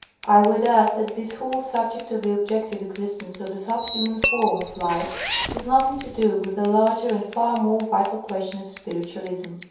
I would add that this whole subject of the objective existence of a subhuman form of life has nothing to do with the larger and far more vital question of spiritualism.